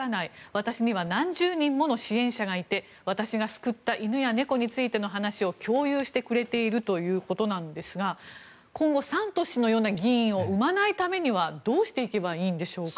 私には何十人もの支援者がいて私が救った犬や猫についての話を共有してくれているということなんですが今後、サントス氏のような議員を生まないようなためにはどうしていけばいいんでしょうか。